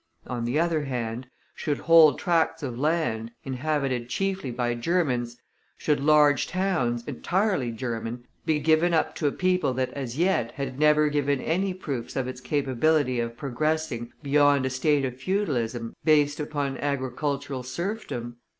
On the other hand, should whole tracts of land, inhabited chiefly by Germans, should large towns, entirely German, be given up to a people that as yet had never given any proofs of its capability of progressing beyond a state of feudalism based upon agricultural serfdom?